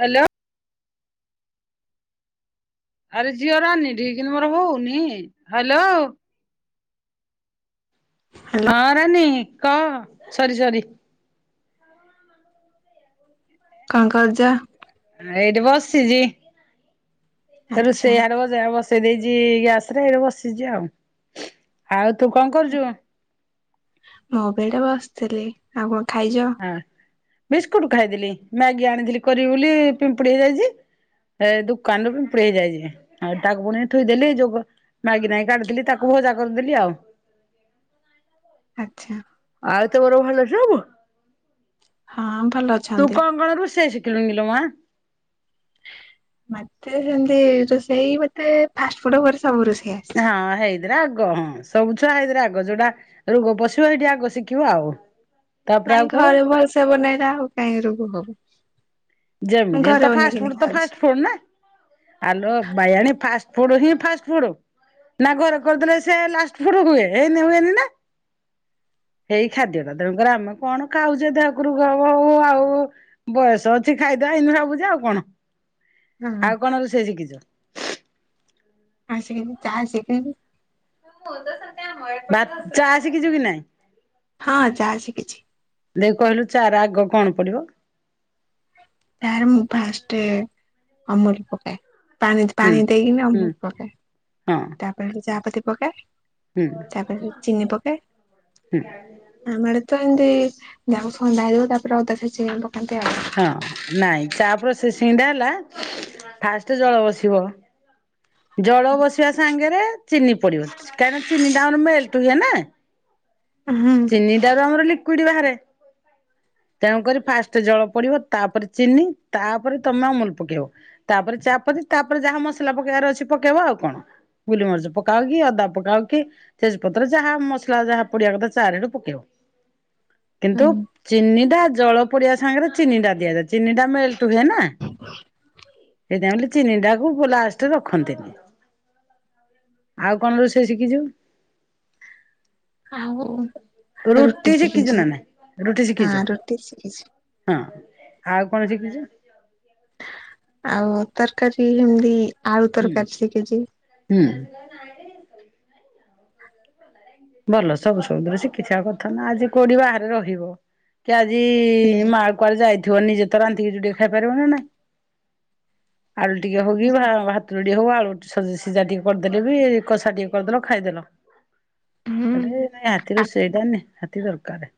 Hello. ଆରେ ଝିଅ ରାନି ଏଠି କିନ୍ତୁ ମୋର ହଉନି ହ୍ୟାଲୋ। ହ୍ୟାଲୋ ହଁ ରାନୀ କହ ସରି ସରି। କଣ କରୁଚ। ଏଇଠି ବସିଚି ଆ ଆଚ୍ଛା ରୋଷେଇଆଡ ବ ସେ ବସେଇ ଦେଇଛି ଗ୍ୟାସ ରେ ଏଇ ବସିଛି ଆଉ ଆଉ ତୁ କଣ କରୁଚୁ। ମୁଁ ବି ଏଠି ବସିଥିଲି ଆଉ କଣ ଖାଇଚ। ହଁ ବିସ୍କୁଟ ଖାଇଦେଲି ମ୍ୟାଗି ଆଣିଥିଲି କରିବି ବୋଲି ପିମ୍ପୁଡ଼ି ହେଇଯାଇଚି। ଏ ଦୋକାନରୁ ପୁମ୍ପଡ଼ି ହେଯାଇଚି ଆଉ ତାକୁ ପୁଣି ଥୋଇ ଦେଲି ଯୋଉ କ ମାଗି ନାଗି କାଟିଥିଲି ତାକୁ ଭଜା କରିଦେଲି ଆଉ। ଆଚ୍ଛା। ଆଉ ତ ବର ଭଲ ସବୁ। ହଁ ଭଲ ଅ ତୁ କଣ କଣ ରୋଷେଇ ଶିଖିଲୁଣି କିଲୋ ମା। ମତେ ସେମତି ରୋଷେଇ ମତେ ଫାଷ୍ଟ ଫୁଡ ପରେ ସବୁ ରୋଷେଇ ଆ ହଁ ହେଇ ରେ ଆଗ ହଁ ସବୁ ଛୁଆ ସେଇଦରେ ଆଗ ଯୋଉଟା ରୋଗ ପଶିବ ଏଇଠି ଆଗ ଶିଖିବ ଆଉ। ତାପରେ ଆଉ ନାଇଁ କଣ ଘରେ ଭଲସେ ବନେଇଲା ଆଉ କାହିଁକି ରୋଗ ହବ। ମୁଁ ଯେମିତି ହେଲେ ଘରେ ତ ଫାଷ୍ଟ ବନେଇକିନି ଫୁଡ଼ ତ ଖାଉଛି। ଫାଷ୍ଟ ଫୁଡ଼ ନା। ଆଲୋ ବାଇଆଣୀ ଫାସ୍ଟ ଫୁଡ ହିଁ ଫାଷ୍ଟ ଫୁଡ। ନା ଘରେ କରିଦେଲେ ସେ ଲାଷ୍ଟ ଫୁଡ୍ ହୁଏ ଏମତି ହୁଏନି ନା। ଏଇ ଖାଦ୍ୟଟା ତେଣୁକରି ଆମେ କଣ ଖାଉଚେ ତ ଦେହରୁ ଗ ଗ ଉ ଆଉ। ବୟସ ଅଛି ଖାଇ ଦବା ଇଁତି ଭାବୁଛ ଆଉ କଣ ହଁ ଆଉ କଣ ରୋଷେଇ ଶିଖିଛ। ଆଉ ଶିଖିଚି ଚା ଶିଖିଚି। ବା ଚା ସିଖିଚୁ କି ନାଇଁ। ହଁ ଚା ସିକିଛି। ଦେଖି କହିଲୁ ଚା ର ଆଗ କଣ ପଡିବ। ତା ରେ ମୁଁ ଫାଷ୍ଟ ଅମୁଲ ପକାଏ ପାଣି ହୁଁ ପାଣି ଦେଇକିନି ହୁଁ ଅମୁଲ ପକାଏ। ହଁ। ତାପରେ ସେ ଚାହାପତି ପକାଏ ହୁଁ ତାପରେ ଚିନି ପକାଏ। ହୁଁ ଆମ ଆଡେ ତ ଏମିତି ଯାହାକୁ ଥଣ୍ଡା ହେଇ ଥିବ ତାପରେ ଅଦା ଛେଚିକି ପକାନ୍ତି ଆଉ ‌। ହଁ ନାଇଁ ଚା ପ୍ରୋସେସିଙ୍ଗ ଟା ହେଲା ଫାଷ୍ଟ ଜଳ ବସିବ। ଜଳ ବସିବା ସାଙ୍ଗରେ ଚିନି ପଡିବ କାହିଁକିନା ଚିନିଟା ଆମର ମେଲଟ ହୁଏ ନା। ହୁଁ। ଚିନିଟାରୁ ଆମର ଲିକୁଇଡ୍ ବାହାରେ। ତେଣୁକରି ଫାଷ୍ଟ ଜଳ ପଡିବ ତାପରେ ଚିନି ତାପରେ ତମେ ଅମୁଲ ପକେଇବ। ତାପରେ ଚା ପତି ତାପରେ ଯାହା ମସଲା ପକେଇବାର ଅଛି ପକେଇବା ଆଉ କଣ। ଗୁଲିମରିଚ ପକାଅକି ଅଦା ପକାଅକି ତେଜପତ୍ର ଯାହା ମସଲା ଯାହା ପଡିିବା କଥା। ତା ରେ ହେଟୁ ପକଇବ କିନ୍ତୁ। ହୁଁ ଚିନି ଟା ଜଳ ପଡିବା ସାଙ୍ଗରେ ଚିନିଟା ଦିଆଯାଏ ଚିନି ଟା ମେଲ୍ଟ୍ ହୁଏନା। ସେଇଥି ପାଇଁ ବୋଲି ଚିନି ଟାକୁ ଲାଷ୍ଟରେ ରଖନ୍ତିନି। ଆଉ କଣ ରୋଷେଇ ଶିଖିଚୁ? ଆଉ ରୁଟି ଶିଖିଛୁ ଶିକିଛି ନା ନାଇଁ? ରୁଟି ଆଁ ଶିଖିଛୁ? ରୁଟି ଶିଖିଛି। ହଁ, ଆଉ କଣ ଶିକିଚୁ? ଆଉ ତରକାରୀ ଏମିତି ଆଳୁ ହୁଁ ତରକାରୀ ଶିକିଚି। ହୁଁ। ଭଲ ସବୁ ସବୁ ଦିରେ ଶିଖିିଥିବା କଥା ନା ଆଜି କୋଉଡିି ବାହାରେ ରହିବ। କି ଆଜି ହୁଁ ମା କୁଆଡେ ଯାଇଥିବ ନିଜେ ତ ରାନ୍ଧିକିରି ଟିକେ ଖାଇ ପାରିବ ନା ନାଇଁ। ଆଳୁ ଟିକେ ହଉ କି ଭା ଭା ତ ଯୋଡ଼ିଏ ହଉ ଆଳୁ ସ ସିଝା ଟିକେ କରିଦେଲେ ବି କଷା ଟିକେ କରିଦେଲ ଖାଇଦେଲ। ହୁଁ ସେଟେଇ ନିହାତି ରୋଷେଇ ଟା ନିହାତୀ ଦରକାର।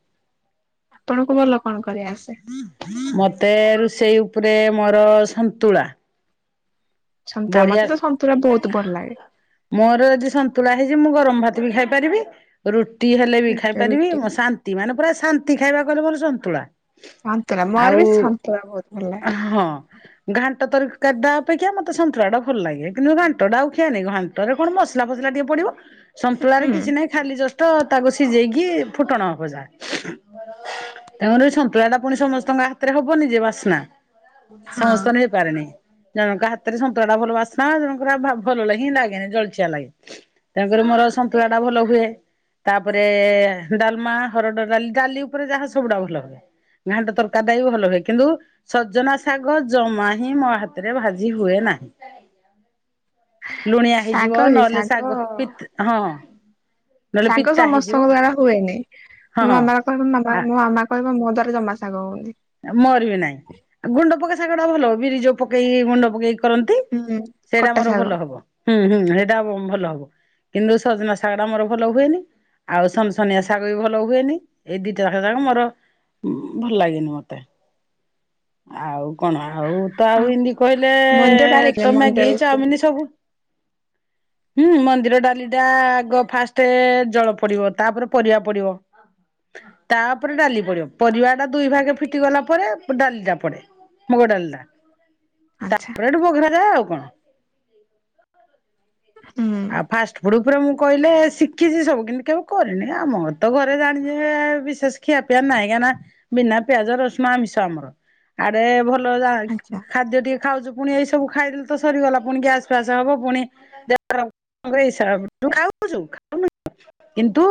ଆପଣଙ୍କୁ ଭଲ କଣ କରି ଆସେ? ମତେ ରୁଷେଇ ଉପରେ ମୋର ସନ୍ତୁଳା। ସନ୍ତୁଳା ମତେ ବଢିଆ ତ ସନ୍ତୁଳା ବହୁତ ଭଲ ଲାଗେ। ମୋର ଜଦି ସନ୍ତୁଳା ହେଇଛି ମୁଁ ଗରମ ଭାତ ବି ଖାଇପାରିବି ରୁଟି ହେଲେ ବି ଖାଇ ରୁଟି ପାରିବି ରୁଟି। ମୁଁ ସାନ ନ୍ତି ମାନେ ପୁରା ଶାନ୍ତି ଖାଇବା କହିଲେ ମୋର ସନ୍ତୁଳା। ସନ୍ତୁଳା ମୋର ଆଉ ବି ସନ୍ତୁଳା ବହୁତ ଭଲ ଲାଗେ ହଁ ଘାଣ୍ଟ ତରକାରୀ ଟା ଅପେକ୍ଷା ମତେ। ତେ ସନ୍ତୁଳା ଟା ଭଲ ଲାଗେ କିନ୍ତୁ ଘାଣ୍ଟ ଟା ଆଉ ଖିଆ ନି ଘାଣ୍ଟରେ କଣ ମସଲା ଫସଲା ଟିକେ ପଡିବ। ସନ୍ତୁଳାରେ ହୁଁ। କିଛି ନାହିଁ ଖାଲି ଜଷ୍ଟ ତାକୁ ସିଝେଇକି ଫୁଟଣ ହବ ଯା। ତାମର ଏଇ ସନ୍ତୁଳା ଟା ପୁଣି ସମସ୍ତଙ୍କ ହାତରେ ହବନି ଯେ ବାସ୍ନା। ହଁ ସମସ୍ତଙ୍କ ଠି ହେଇ ପାରେନି ଜଣକ‌ ହା ତରେ ସନ୍ତଳା ଟା ଭଲ ବାସନା ଜଣ ଙ୍କର ଆ ଭା ଭଲ ହିଁ ଲାଗେ ନି ଲାଗେନି ଜଳଚିଆ ଲାଗେ। ତେଣୁକରି ମୋର ସନ୍ତୁଳା ଟା ଭଲ ହୁଏ। ତାପରେ ଡାଲମା ହରଡ ଡାଲି ଡାଲି ଉପରେ ଯାହା ସବୁଡା ଭଲ ହୁଏ। ଘାଣ୍ଟ ତରକାରୀ ଟା ବି ଭଲ ହୁଏ। କିନ୍ତୁ ସଜନା ଶାଗ ଜମା ହିଁ ମୋ ହାତରେ ଭା ଜି ହୁଏ ନାହିଁ ଲୁଣିଆ ଶାଗ ହେଇଯିବ କି ନହେଲେ ଶାଗ ପିତ୍। ହଁ। ନହେଲେ ଶାଗ ପିତା ହେଇଯିବ ସମସ୍ତଙ୍କ ଦ୍ଵାରା ହୁଏନି ହଁ। ମୋ କହିବ ମାମା ଆ ମୋ ମାମା କହିବ ମୋ ଦ୍ଵାର ଜମା ଶାଗ ହଉନି। ମୋରବି ନାହିଁ ଗୁଣ୍ଡ ପକା ଶାଗ ଟା ଭଲ ବିରି ଯୋଉ ପକେଇ ଗୁଣ୍ଡ ପକେଇ। କରନ୍ତି ହୁଁ। ସେଇଟା କଟା ମୋର ଶାଗ ଭଲ ହବ ହୁଁ ହୁଁ ସେଇଟା ଭଲ ହବ। କିନ୍ତୁ ସଜନା ଶାଗଟା ମୋର ଭଲ ହୁଏନି। ଆଉ ସନସନିଆ ଶାଗ ବି ଭଲ ହୁଏନି। ଏଇ ଦିଟା ଯାକ ଶାଗ ମୋର ଉଁ, ଭଲ ଲାଗେନି ମୋ ତେ। ଆଉ କଣ, ଆଉ ତ ଆଉ ଏମତି କହିଲେ ମଞ୍ଜ ଟା ଲେଖିଦେ ତ ମଞ୍ଜ ମ୍ୟାଗି, ଚାଉମିନ୍ ସବୁ। ହୁଁ, ମନ୍ଦିର ଡାଲିଟା ଆଗ ଫାଷ୍ଟ ଜଳ ପଡିବ ତାପରେ ପରିବା ପଡିବ। ତାପରେ ଡାଲି ପଡିବ ପରିବା ଟା ଦୁଇ ଭାଗେ ଫିଟି ଗଲା ପରେ ଡାଲ ଯା ପଡେ ମୁଗ ଡାଲି ଟା। ଆଚ୍ଛା। ସେଠୁ ବଘରା ଯାଏ ଆଉ କଣ। ହୁଁ। ଆଉ ଫାଷ୍ଟ ଫୁଡ୍ ଉପରେ ମୁଁ କଇଲେ ଶିଖିଛି ସବୁ କିନ୍ତୁ କେବେ କରିନି। ଆମ ଘ ତ ଘରେ ଜାଣିଚି ଯେ ବିଶେଷ ଖିଆ ପିଆ ନାଇଁ। କାହିଁକି ନା ବିନା ପିଆଜ, ରସୁଣ, ଆମିଷ ଆମର। ଆରେ ଭଲ ଯା ଆଚ୍ଛା ଖାଦ୍ୟ ଟିକେ ଖାଉଛୁ ପୁଣି ଏଇ ସବୁ ଖାଇଦେଲେ ତ ସରିଗଲା ପୁଣି ଗ୍ୟାସ୍ ଫ୍ୟାସ ହବ ପୁଣି। [unintelligible] ମୁଁ କଏ ଏ [unintelligible] ତୁ ଖାଉଛୁ ଖାଉନୁ [inaudible] କିନ୍ତୁ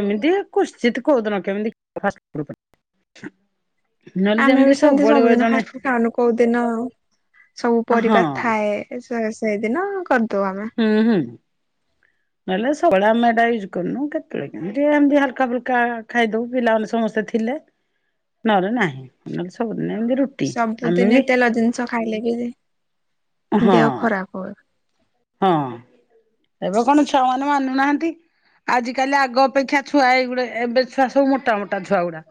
ଏମିତି କୁଶ୍ଚିତ କୋଉଦିନ କେମିତି ଫାଷ୍ଟଫୁଡ ପାଇଁ। ଆମେ ବି ସେମିତି ସବୁବେଳେ ସବୁଦିନ ଜଣେ ଫାଷ୍ଟଫୁଡ ଖାଉନୁ। କୋଉଦିନ ସବୁ ହଁ ପରିବା ଥାଏ। ଏ ସେ ସେଇଦିନ କରିଦଉ ଆମେ। ହୁଁ, ହୁଁ। ନହଲେ ସବୁଳେ ଆମେ ଏଟା ୟୁଜ୍ କରୁନୁ କେତବେଳେ କେମତି ଏମିତି ହାଲକା ଫୁଲକା ଖାଇଦଉ। ପିଲାମାନେ ସମସ୍ତେ ଥି ଥିଲେ ନଲେ ନାହିଁ, ନହେଲେ ସବୁଦିନ ଏମିତି ରୁ ସବୁଦିନେ ତେଲ ଜିନିଷ ଖାଇଲେ ବି ହଁ ଦେହ ଖରାପ ହୁଏ। ହଁ, ଏବେ କଣ ଛୁଆ ମାନେ ମାନୁ ନାହାନ୍ତି। ଆଜି କାଲି ଆଗ ଅପେକ୍ଷା ଛୁଆ ଏଇଗୁଡେ ଏବେ ଛୁଆ ସବୁ ମୋଟା ମୋଟା ଛୁଆ ଗୁଡା।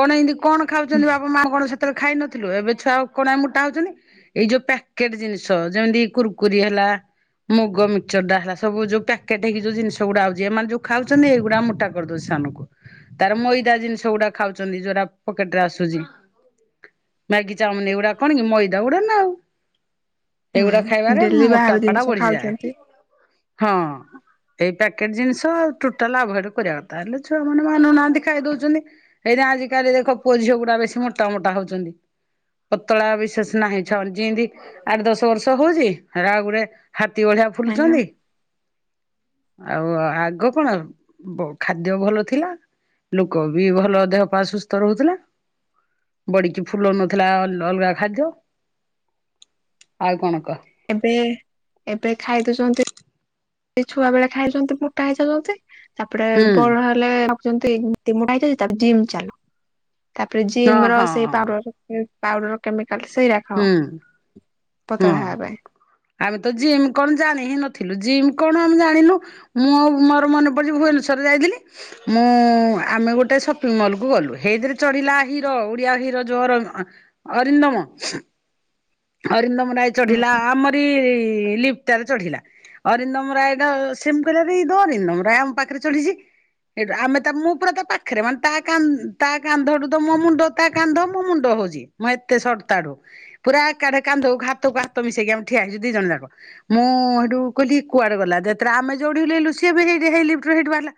କଣ ଏମତି କଣ ଖାଉଛନ୍ତି ବାପା ମା କଣ ସେତେବେଳେ ଖାଇ ନଥିଲୁ ଏବେ ଛୁଆ ଆଉ କଣ ମୁଟା ହଉଚନ୍ତି। ଏଇ ଯୋଉ ପ୍ୟାକେଟ୍ ଜିନିଷ ଯେମିତି କୁୁରକୁରି ହେଲା। ମୁଗ ମିକ୍ସର ଡା ହେଲା ସବୁ ଯୋଉ ପ୍ୟାକେଟ୍ ହେଇକି ଯୋଉ ଜିନିଷ ଗୁଡା ଆଉଚି, ଏମାନେ ଯୋଉ ଖାଉଛନ୍ତି ଏଇଗୁଡା ମୁଟା କରିଦଉ ସାନକୁ, ତାର ମଇଦା ଜିନିଷ ଗୁଡା ଖାଉଛନ୍ତି ଯୋଉରା ପକେଟ୍ ରେ ଆସୁଛି। ମ୍ୟାଗି ଚାଉମିନ୍ ଏଗୁଡା କଣ କି ମଇଦା ଗୁଡା ନା ଆଉ। ଏଗୁଡା ହୁଁ ଖାଇବାରେ ଡେଲି ମୋଟା ବାହାର ଜିନିଷ ଖାଉଛନ୍ତି ହଁ। ଏଇ ପ୍ୟାକେଟ୍ ଜିନିଷ ଆଉ ଟୁଟାଲ ଆଭଏଡ୍ କରିବା କଥା ହେଲେ ଛୁଆ ମାନେ ମାନୁନାହାନ୍ତି ଖାଇ ଦଉଛନ୍ତି। ଏଇନା ଆଜିକାଲି ଦେଖ ପୁଅ ଝିଅ ଗୁଡା ବେଶୀ ମୋଟା ମୋଟା ହଉଛନ୍ତି। ପତଳା ବିଶେଷ ନାହିଁ ଛ- ଯେମତି ଆଠ ଦଶ ବର୍ଷ ହଉଛି ସେଟା ଗୁଟେ ହାତୀ ଭଳିିଆ ଆଜ୍ଞା। ଫୁଲୁଛନ୍ତି। ଆଉ ଆଗ କଣ ବ-ଖାଦ୍ୟ ଭଲ ଥିଲା। ଲୋକ ବି ଭଲ ଦେହ ପା ସୁସ୍ଥ ରହୁଥିଲା। ବଡିକି ଫୁଲଉ ନଥିଲା ଅଲ ଅଲଗା ଖାଦ୍ୟ। ଆଉ କଣ କହ? ଏବେ ଏବେ ଖାଇ ଦଉଚନ୍ତି। ଏଇ ଛୁଆ ବେଳେ ଖାଇଛନ୍ତି ମୁଟା ହେଇଯାଉଛନ୍ତି। ତାପରେ ହୁଁ। ବଡ ହେଲେ ଖାଉଚନ୍ତି ତି ମୁଟା ହେଇଯାଇ ତାକୁ ଜିମ୍ ଚାଲୁ, ତାପରେ ଜିମ୍ ହଁ ର ହଁ ସେ ହଁ ପାଉଡର୍ ଏ ପାଉଡର କେମିକାଲ୍ ସେଇରା ଖାଅ ହୁଁ, ହଁ। ପତଳା ହେବା ଆମେ ତ ଜିମ୍ କଣ ଜାଣି ହିଁ ନଥିଲୁ। ଜିମ୍ କଣ ଆମେ ଜାଣିନୁ। ମୁଁ ଆଉ ମୋର ମନେ ପଡିଚି ଭୁବନେଶ୍ଵର ଯାଇଥିଲି। ମୁଁ ଆମେ ଗୋଟେ ସପିଙ୍ଗ ମଲ୍ କୁ ଗଲୁ। ହେଇଥିରେ ଚଢିଲା ହିରୋ ଓଡିଆ ହିରୋ ଯୋର ଅଁ, ଅରିନ୍ଦମ। ହରିନ୍ଦମ ରାୟ ଚଢିଲା ଆମରି ଲିପ୍ ଟାରେ ଚଢିଲା। ଅରିନ୍ଦମ ରାୟ ଟା ସିମ୍ କରିବା ଏଇତ ଅରିନ୍ଦମ ରାୟ ଆମ ପାଖରେ ଚଢିଛି। ସେଇଠୁ ଆମେ ତା ମୁଁ ପୁରା ତା ପାଖରେ ମାନେ ତା କାନ୍ ତା କାନ୍ଧଠୁ ତ ମୋ ମୁଣ୍ଡ ତା କାନ୍ଧ ମୋ ମୁଣ୍ଡ ହଉଛି। ମୁଁ ଏତେ ସର୍ଟ ତାଠୁ ପୁରା ଏକାଠି କାନ୍ଧକୁ ହାତକୁ ହାତ ମିଶେଇକି ଆମେ ଠିଆ ହେଇଛୁ ଦି ଜଣ ଯାକ। ମୁଁ ହେଇଠୁ କହିଲି କୁଆଡେ ଗଲା, ଯେତେରେ ଆମ ଯୋଉଠି ଓହ୍ଲେଇ ଲୁ, ସିଏ ବି ହେଇ, ହେଇ ଲିଫ୍ଟ ରୁ ବାହାରିଲା।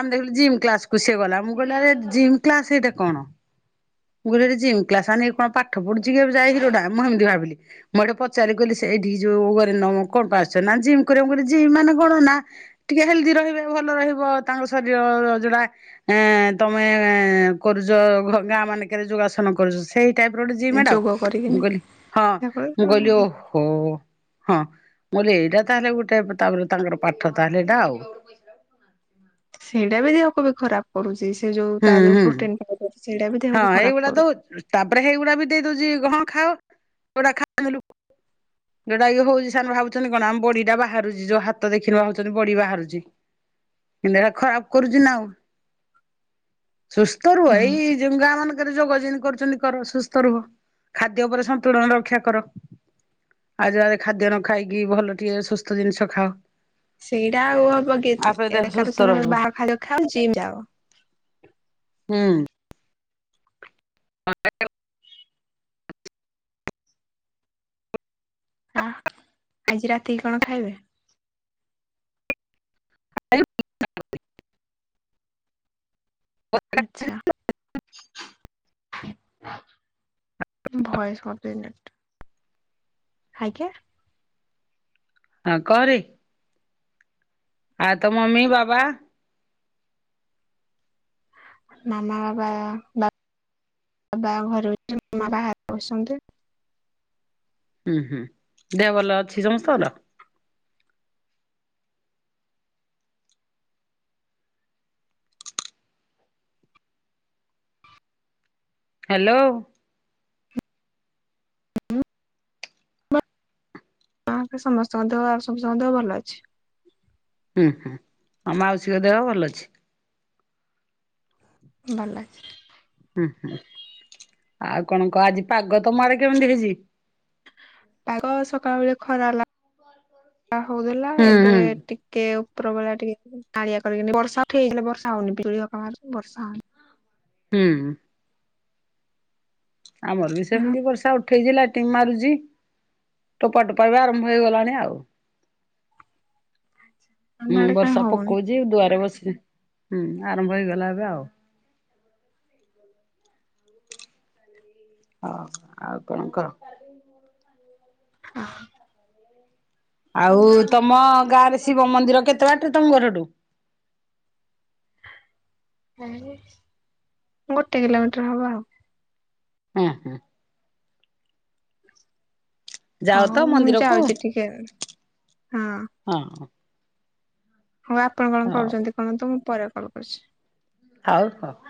ଆମେ ଦେଖିଲୁ ଜିମ୍ କ୍ଲାସ କୁ ସିଏ ଗଲା। ମୁଁ କହିଲି ଆରେ ଜିମ୍ କ୍ଲାସ ହେଇଟା କଣ? ମୁଁ କହିଲି ହେଟି ଜିମ୍ କ୍ଲାସ ମାନେ ହେଇଟି କଣ ପାଠ ପଢୁଚି ଯାଇକିରି ଏଟା, ମୁଁ ହେମିତି ଭାବିଲି। ମୁଁ ହେଠୁ ପଚାରି କହିଲି ସେଇଠି ଯୋଉ ଅରିନ୍ଦମ କଣ ପାଇଁ ଆସିଛନ୍ତି, ନା ଜିମ୍ କରିବାକୁ। ମୁଁ କହିଲି ମାନେ କଣ? ନା ଟିକେ ହେଲ୍ଦି ରହିବେ ଭଲ ରହିବ ତାଙ୍କ ଶରୀର ଯୋଟା ଏ ତମେ କରୁଛ ଗାଁ ମାନଙ୍କରେ ଯୋଗାସନ କରୁଛ, ସେଇ ତାପରେ ଗୋଟେ ଜିମ୍ ପାଇଁ। ମାଡ, ଯୋଗ ମୁ କରିକିନି କହିଲି, ହଁ ତାପରେ ମୁଁ ସେମାନେ କହିଲି ଓ ହୋ, ହଁ ମୁ ଏଇଟା ତାହେଲେ ଗୋଟେ ତାପରେ ତାଙ୍କର ପାଠ ତାହେଲେ ଏଇଟା ଆଉ। ସେଇଟା ବି ଦେହକୁ ବି ଖରାପ କରୁଛି। ସେ ଯୋଉ ହୁଁ ତା ଯୋଉ ହୁଁ। ପ୍ରୋଟିନ୍ ପାଉଡର ସେଇଟାବି ହଁ ଦେହକୁ ଏଇଗୁଡା ଖରାପ ଦଉ କରୁଛି। ତାପରେ ହେଇଗୁଡା ବି ଦେଇ ଦଉଛି, ହଁ ଖାଅ ହେଗୁଡା ଖାଇବେ ଲୋକ ଯୋଉଟା ଏ ହଉଛି ସେମାନେ ଭାବୁଛନ୍ତି କଣ, ଆମ ବଡିଟା ବାହାରୁଛି ଯୋଉ ହାତ ଦେଖିନୁ ଭାବୁଛନ୍ତି ବଡି ବାହାରୁଛି। କିନ୍ତୁ ହେରା ଖରାପ କରୁଛି ନା ଆଉ। ସୁସ୍ଥ ରୁହ ହୁଁ। ଏଇ ଯୋଉ ଗାଁ ମାନଙ୍କରେ ଯୋଗ କରୁଛନ୍ତି କର ସୁସ୍ଥ ରୁହ। ଖାଦ୍ୟ ଉପରେ ସନ୍ତୁଳନ ରକ୍ଷା କର। ଆଜ୍ୟ ବାଜ୍ୟ ଖାଦ୍ୟ ନ ଖାଇକି ଭଲ ଟିକେ ସୁସ୍ଥ ଜିନିଷ ଖାଅ। ସେଇଟା ଆଉ ହବ କି, ଆପରେ ଦେହ ଏବେକାର ସୁସ୍ଥ ଶୁଣ ରହିବ ବାହାର ଖାଦ୍ୟ ଖାଅ ଜିମ୍ ଯାଉ। ହୁଁ। ହ ଆଜି ରାତିକି କଣ ଖାଇବେ? ଆ [inaudible] ଆଚ୍ଛା। ଭଏସ୍ କାଟିଲା ଆଜ୍ଞା। ହଁ କହରେ? ଆଉ ତ ମମି ବାବା? ମାମା ବାବା ବା ବା ଘରେ ମାମା ବା ବାହାରେ ବଛନ୍ତି। ହୁଁ ହୁଁ। ଦେହ ଭଲ ଅଛି ସମସ୍ତଙ୍କର? ହାଲୋ। କ ସମସ୍ତଙ୍କ ଦେହ ଆଉ ସବୁ ସମସ୍ତଙ୍କ ଦେହ ଭଲ ଅଛି। ହୁଁ ହୁଁ। ଆଉ ମାଉସୀଙ୍କ ଦେହ ଭଲ ଅଛି? ଭଲ ଅଛି। ହୁଁ ହୁଁ। ଆଉ କଣ କହ? ଆଜି ପାଗ ତମ ଆଡେ କେମିତି ହେଇଛି? ପାଗ ସକାଳ ବଳେ ଖରା ଲ ହଉଥିଲା ହୁଁ ଏବେ ହୁଁ ଟିକେ ଉପରବେଳା ଟିକିଏ କାଁଲିଆ କରିକିନି, ବର୍ଷା ଉଠାଇଥିଲା ବର୍ଷା ହଉନି, ବିଜୁଳି ଅକା ମାରୁଛି ବର୍ଷା ହଉନି। ହୁଁ। ଆମର ବି ସେମିତି ବର୍ଷା ଉଠୁ ଉଠେଇଥିଲା ଟିମ୍ ମାରୁଛି, ଟୋପା ଟୋପା ବି ଆରମ୍ଭ ହେଇଗଲାଣି ଆଉ। ଆମ ହୁଁ ଆଡେ କାଇଁ ବର୍ଷା ହଉନି ପକଉଛି ଦୁଆରେ ବସି, ହୁଁ ଆରମ୍ଭ ହେଇଗଲା ଏବେ ଆଉ। ହ, ଆଉ କଣ କହ? ହ ଆଉ ତମ ଗାଁରେ ଶିବ ମନ୍ଦିର କେତେ ବାଟ ତମ ଘରଠୁ? ଏଇ ଗୋଟେ କିଲୋମିଟର ହବ ଆଉ। ହୁଁ ହୁଁ। ଯାଅ ଆଉ ତ ମୁଁ ମନ୍ଦିରକୁ ଯାଉଛି ଟିକେ, ହଁ। ହଁ। ହଉ ଆପଣ କଣ କରୁଛନ୍ତି କଣନ୍ତୁ ମୁଁ ପରେ କଲ୍ କରୁଛି। ହୋଉ, ହ।